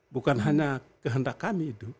bukan hanya kehendak kami itu